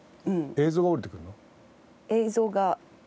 映像が降りてくるの？